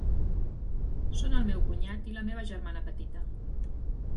Són el meu cunyat i la meva germana petita.